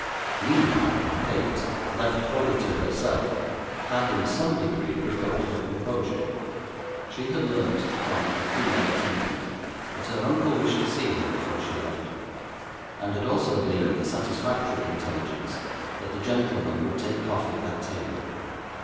Meanwhile Kate, left wholly to herself, had, in some degree, recovered her composure. She had learnt from a female attendant, that her uncle wished to see her before she left, and had also gleaned the satisfactory intelligence, that the gentlemen would take coffee at table.